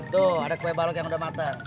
tuh ada kue balok yang udah matang